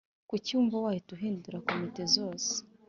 Kuki wumva wahita uhindura komite zose